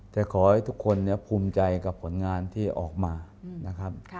แต่ขอให้ทุกคนภูมิใจกับผลงานที่ออกมานะครับ